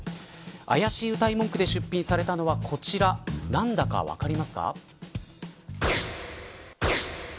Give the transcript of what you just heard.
怪しいうたい文句で出品されたのはこちら何だか分かりますか。